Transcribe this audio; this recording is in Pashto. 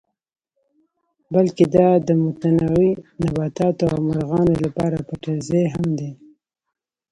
بلکې دا د متنوع نباتاتو او مارغانو لپاره پټنځای هم دی.